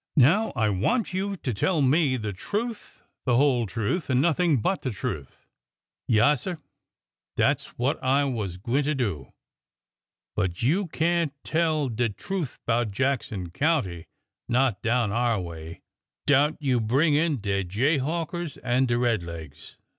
" Now I want you to tell me the truth, the whole truth, and nothing but the truth." " Yaassir, dat>'s what I was gwineter do. But you can't tell de truth 'bout Jackson County— not down our way— 'dout you bring in de jayhawkers an' de red legs.